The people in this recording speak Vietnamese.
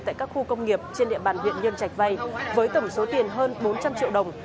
tại các khu công nghiệp trên địa bàn huyện nhân trạch vay với tổng số tiền hơn bốn trăm linh triệu đồng